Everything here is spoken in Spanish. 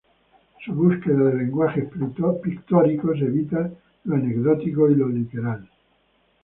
Su búsqueda de lenguajes pictóricos evita lo anecdótico y lo literal.